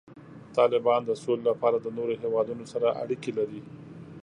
طالبان د سولې لپاره د نورو هیوادونو سره اړیکې لري.